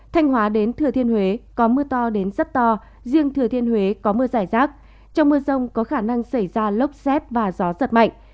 thanh hóa đến thừa thiên huế có mưa to đến rất to riêng thừa thiên huế có mưa giải rác trong mưa rông có khả năng xảy ra lốc xét và gió giật mạnh